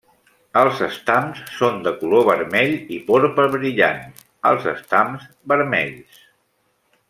Els estams són de color vermell i porpra brillant, els estams vermells.